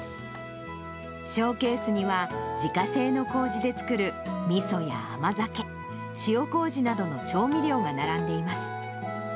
ショーケースには、自家製のこうじで造るみそや甘酒、塩こうじなどの調味料が並んでいます。